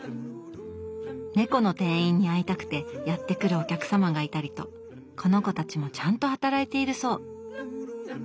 猫の店員に会いたくてやって来るお客様がいたりとこの子たちもちゃんと働いているそう。